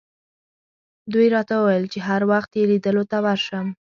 دوی راته وویل چې هر وخت یې لیدلو ته ورشم.